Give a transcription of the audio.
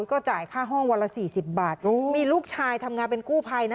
ก็จ่ายค่าห้องวันละ๔๐บาทมีลูกชายทำงานเป็นกู้ภัยนะ